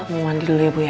mau mandi dulu ya bu ya